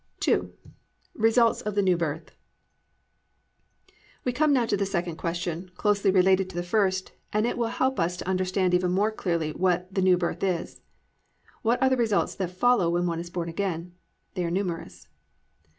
II. RESULTS OF THE NEW BIRTH We now come to the second question, closely related to the first, and it will help us to understand even more clearly what the New Birth is. What are the results that follow when one is born again? They are numerous.